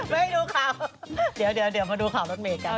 ไม่ให้ดูข่าวเดี๋ยวมาดูข่าวรถเมย์กัน